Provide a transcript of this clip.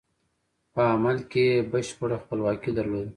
په عمل کې یې بشپړه خپلواکي درلوده.